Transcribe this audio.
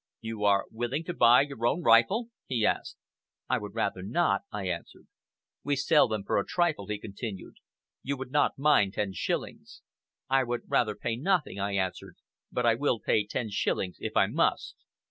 "You are willing to buy your own rifle?" he asked. "I would rather not," I answered. "We sell them for a trifle," he continued. "You would not mind ten shillings." "I would rather pay nothing," I answered, "but I will pay ten shillings if I must."